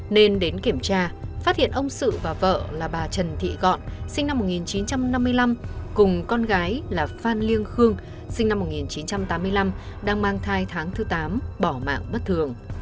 nên đến kiểm tra phát hiện ông sự và vợ là bà trần thị gọn sinh năm một nghìn chín trăm năm mươi năm cùng con gái là phan liêng khương sinh năm một nghìn chín trăm tám mươi năm đang mang thai tháng thứ tám bỏ mạng bất thường